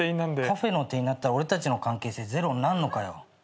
カフェの店員になったら俺たちの関係性ゼロになんのかよ。